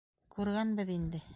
Күргәнбеҙ инде.